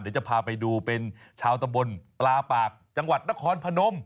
เดี๋ยวจะพาไปดูเป็นชาวตำบลปลาปากจังหวัดนครพนม